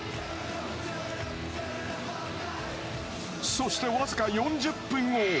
そして、僅か４０分後。